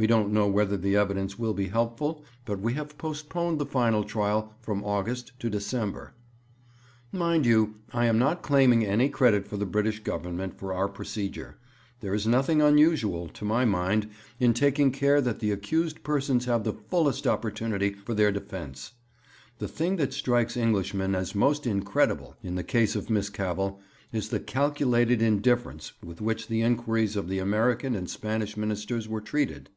We don't know whether the evidence will be helpful, but we have postponed the final trial from August to December. 'Mind you, I am not claiming any credit for the British Government for our procedure. There is nothing unusual, to my mind, in taking care that the accused persons have the fullest opportunity for their defence. The thing that strikes Englishmen as most incredible in the case of Miss Cavell is the calculated indifference with which the inquiries of the American and Spanish Ministers were treated.